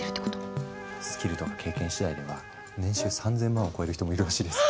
スキルとか経験次第では年収３，０００万を超える人もいるらしいです。